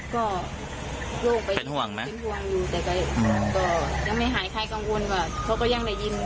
ก็ลูกไปเป็นห่วงไหมเป็นห่วงอยู่แต่ก็ยังไม่หายใครกังวลว่าเขาก็ยังได้ยิน